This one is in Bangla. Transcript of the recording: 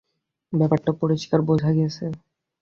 ব্যাপারটা পরিষ্কার বোঝা গেছে?